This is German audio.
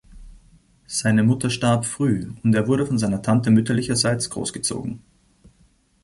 Seine Mutter starb früh und er wurde von seiner Tante mütterlicherseits großgezogen.